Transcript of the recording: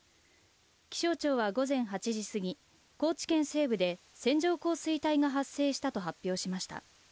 気象庁は午前８時過ぎ、高知県西部で線状降水帯が発生したと発表しました。